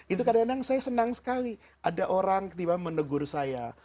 itu kadang kadang saya senang sekali ada orang tiba tiba menegur saya